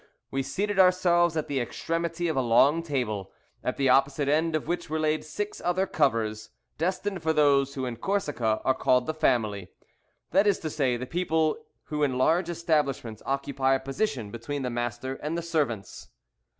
We seated ourselves at the extremity of a long table, at the opposite end of which were laid six other covers, destined for those who in Corsica are called the family; that is to say, the people who in large establishments occupy a position between the master and the servants.